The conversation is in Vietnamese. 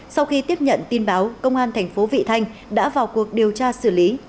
sau khi tiếp nhận tin báo công an tp vị thanh đã vào cuộc điều tra xử lý